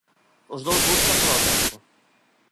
Os dous buscan, todo o tempo.